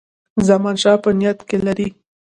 زمانشاه په نیت کې لري.